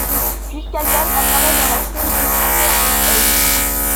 Juskalian apparait dans la série documentaire de l'.